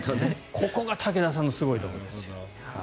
ここが武田さんのすごいところですよ。